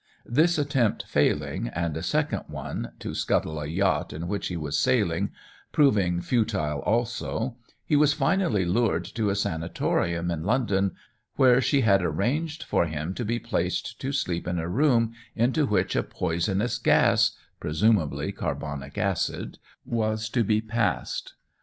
This attempt failing, and a second one, to scuttle a yacht in which he was sailing, proving futile also, he was finally lured to a sanatorium in London, where she had arranged for him to be placed to sleep in a room into which a poisonous gas (presumably carbonic acid) was to be passed.